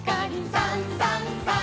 「さんさんさん」